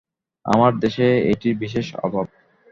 আমাদের দেশে এইটির বিশেষ অভাব।